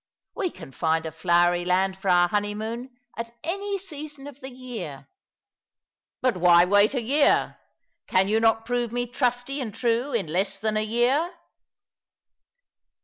We can find a flowery land for our honeymoon at any season of the year." " But why wait a year ? Can you not prove me trusty and true in less than a year